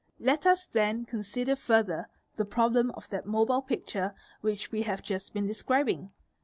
Let us then consider further the roblem of that mobile picture which we have just been describing.